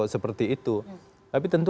seperti itu tapi tentu